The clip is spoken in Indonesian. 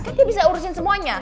kan dia bisa urusin semuanya